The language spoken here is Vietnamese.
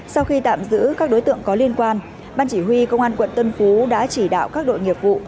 sau khi tạm giữ các đối tượng có liên quan ban chỉ huy công an quận tân phú đã chỉ đạo các đội nghiệp vụ